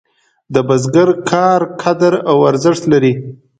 د بزګر کار قدر او ارزښت لري.